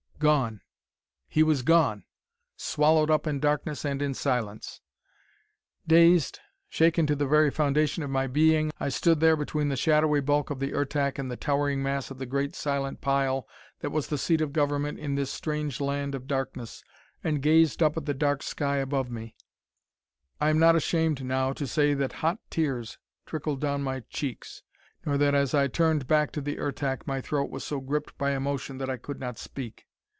Gone! He was gone! Swallowed up in darkness and in silence! Dazed, shaken to the very foundation of my being, I stood there between the shadowy bulk of the Ertak and the towering mass of the great silent pile that was the seat of government in this strange land of darkness, and gazed up at the dark sky above me. I am not ashamed, now, to say that hot tears trickled down my cheeks, nor that as I turned back to the Ertak, my throat was so gripped by emotion that I could not speak.